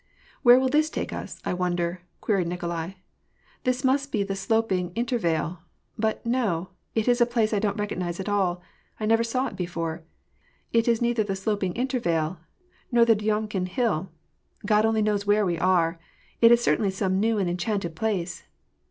"Where will this take us, I wonder?" queried Nikolai. "This must be the sloping intervale. But no, it is a place I don't recognize at all ! I never saw it before ! It is neither the sloping intervale nor the Dyomkin hill ; God only knows where we are. It is certainly some new and enchanted place